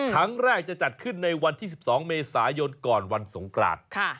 ครั้งแรกจะจัดขึ้นในวันที่๑๒เมษายนก่อนวันสงกราน